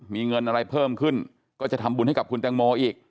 มีเงินอะไรเพิ่มขึ้นก็จะทำบุญให้กับคุณแตงโมอีก